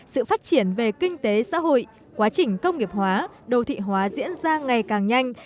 sự phát triển về kinh tế xã hội quá trình công nghiệp hóa đô thị hóa diễn ra ngày càng nhanh